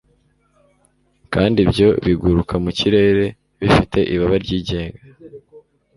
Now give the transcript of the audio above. kandi ibyo biguruka mu kirere bifite ibaba ryigenga